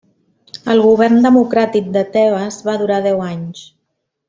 El govern democràtic de Tebes va durar deu anys.